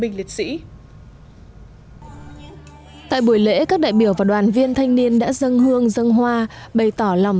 binh liệt sĩ tại buổi lễ các đại biểu và đoàn viên thanh niên đã dân hương dân hoa bày tỏ lòng